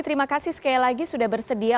terima kasih sekali lagi sudah bersedia